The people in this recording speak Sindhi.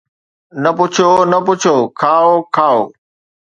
نه پڇو، نه پڇو، کائو کائو